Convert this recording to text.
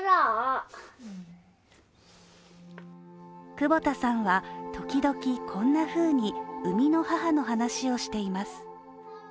久保田さんは時々こんなふうに生みの母の話をしています。